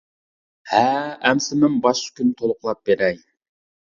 -ھە. ئەمسە مەن باشقا كۈنى تولۇقلاپ بېرەي.